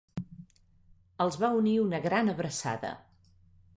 Els va unir una gran abraçada.